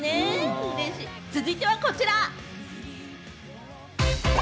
続いてはこちら。